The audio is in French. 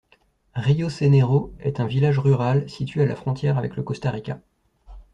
Río Sereno est un village rural situé à la frontière avec le Costa Rica.